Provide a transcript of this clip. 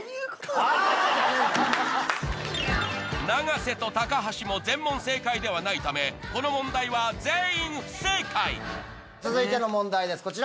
永瀬と橋も全問正解ではないためこの問題は全員不正解続いての問題です